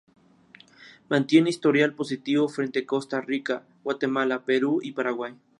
Mantiene historial positivo frente Costa Rica, Guatemala, Perú y Paraguay.